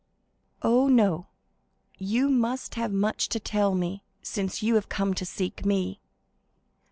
"Oh, no. You must have much to tell me, since you have come to seek me."